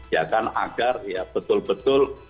ya kan agar ya betul betul